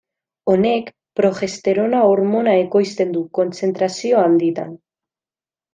Honek progesterona hormona ekoizten du kontzentrazio handitan.